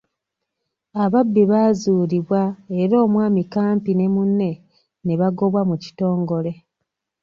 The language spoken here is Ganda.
Ababbi baazuulibwa era omwami Kampi ne munne ne bagobwa mu kitongole.